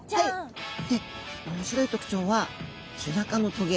面白い特徴は背中のトゲ